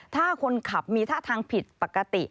ถ้าคนขับมีท่าทางผิดปกติ